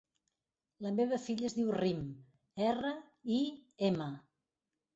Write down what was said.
La meva filla es diu Rim: erra, i, ema.